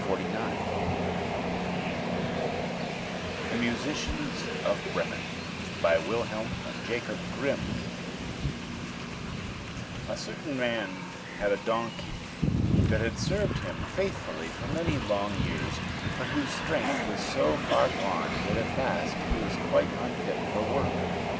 THE MUSICIANS OF BREMEN BY WILHELM AND JAKOB GRIMM A certain man had a donkey that had served him faithfully for many long years, but whose strength was so far gone that at last he was quite unfit for work.